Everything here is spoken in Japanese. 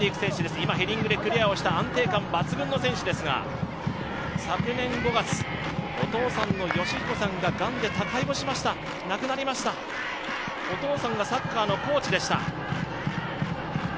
今、ヘディングでクリアした安定感抜群の選手ですが、昨年５月、お父さんが、がんで他界をしました、亡くなりました、お父さんがサッカーのコーチでした。